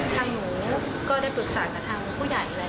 ทางหนูก็ได้ปรุษศาสตร์กับทางผู้ใหญ่หลายท่าน